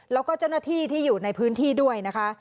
แล้วก็เจ้าหน้าที่ที่อยู่ในพื้นที่ด้วยนะคะ